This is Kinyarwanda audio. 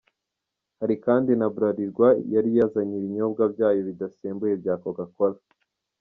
Hari kandi na Bralirwa yari yazanye ibinyobwa byayo bidasembuye bya Coca Cola.